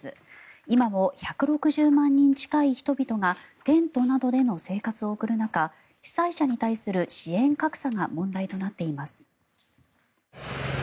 今も１６０万人近い人々がテントなどでの生活を送る中被災者に対する支援格差が問題となっています。